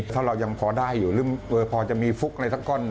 ถ้าเรายังพอได้อยู่หรือพอจะมีฟุกอะไรสักก้อน